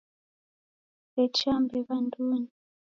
Kusechambe w'andunyi!